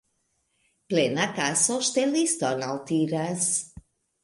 Plena kaso ŝteliston altiras.